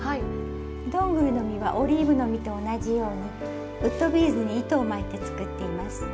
どんぐりの実はオリーブの実と同じようにウッドビーズに糸を巻いて作っています。